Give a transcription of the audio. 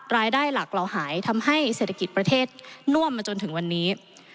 รายได้หลักเหล่าหายทำให้เศรษฐกิจประเทศน่วมมาจนถึงวันนี้